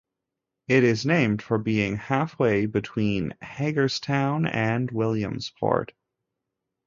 It is named for being halfway between Hagerstown and Williamsport.